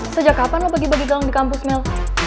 sejak kapan lo bagi bagi galang di kampus mel